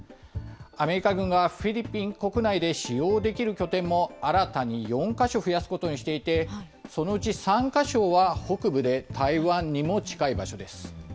アメリカ軍がフィリピン国内で使用できる拠点も新たに４か所増やすことにしていて、そのうち３か所は北部で台湾にも近い場所です。